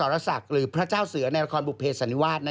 ผู้รับบทหลวงสรษะหรือพระเจ้าเสือในละครบุปเพจสันนิวาสนะครับ